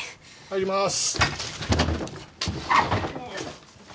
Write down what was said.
入りまーす。